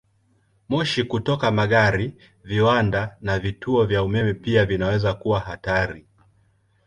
Moshi kutoka magari, viwanda, na vituo vya umeme pia vinaweza kuwa hatari.